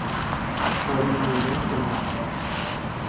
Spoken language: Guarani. Oremoirũkena